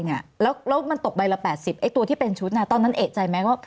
แล้วมันตกใบละ๘๐ไอ้ตัวที่เป็นชุดตอนนั้นเอกใจไหมว่า